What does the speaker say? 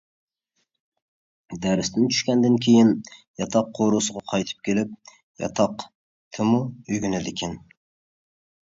دەرستىن چۈشكەندىن كېيىن، ياتاق قورۇسىغا قايتىپ كېلىپ، ياتاقتىمۇ ئۆگىنىدىكەن.